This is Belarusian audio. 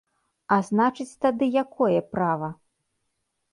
А значыць тады якое права?